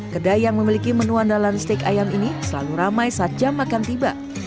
kedai yang memiliki menu andalan steak ayam ini selalu ramai saat jam makan tiba